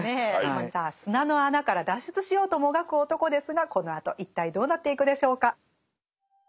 さあ砂の穴から脱出しようともがく男ですがこのあと一体どうなっていくでしょうか。